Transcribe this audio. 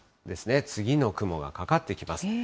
ですね、次の雲がかかってきます。